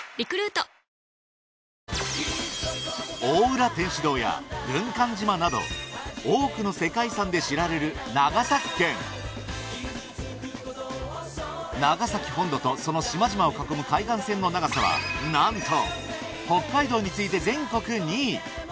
大浦天主堂や軍艦島など多くの世界遺産で知られる長崎県長崎本土とその島々を囲む海岸線の長さはなんと北海道に次いで全国２位。